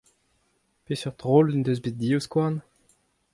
Peseurt roll en deus bet Divskouarn ?